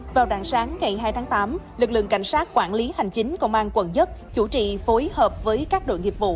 vào rạng sáng ngày hai tháng tám lực lượng cảnh sát quản lý hành chính công an quận một chủ trì phối hợp với các đội nghiệp vụ